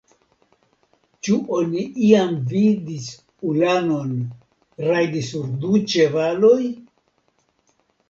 Ĉu oni iam vidis ulanon rajdi sur du ĉevaloj!